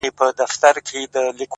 په هغه ورځ به بس زما اختر وي!!